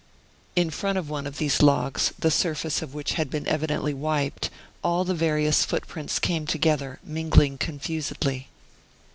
In front of one of these logs, the surface of which had been evidently wiped, all the various footprints came together, mingling confusedly.